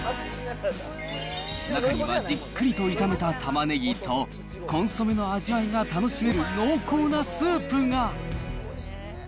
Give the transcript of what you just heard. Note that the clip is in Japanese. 中にはじっくりと炒めたタマネギと、コンソメの味わいが楽しめる濃厚なスープが。